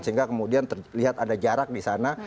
sehingga kemudian terlihat ada jarak di sana